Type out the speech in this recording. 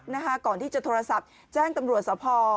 ขอบใจคุณน้องลักษมณ์ก่อนที่จะโทรศัพท์แจ้งตำรวจสภาพ